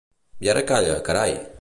I ara calla, carai!